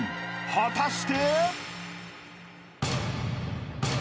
［果たして？］